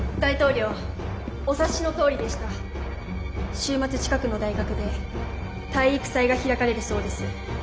週末近くの大学で体育祭が開かれるそうです。